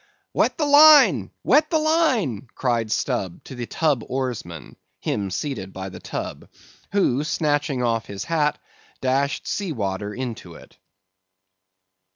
"Wet the line! wet the line!" cried Stubb to the tub oarsman (him seated by the tub) who, snatching off his hat, dashed sea water into it.